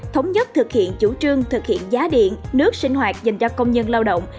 thống nhất thực hiện chủ trương thực hiện giá điện nước sinh hoạt dành cho công nhân lao động